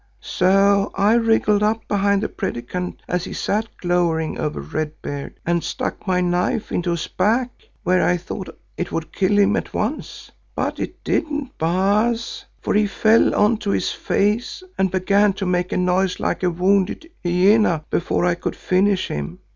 "So I wriggled up behind the Predikant as he sat glowering over Red Beard, and stuck my knife into his back where I thought it would kill him at once. But it didn't, Baas, for he fell on to his face and began to make a noise like a wounded hyena before I could finish him.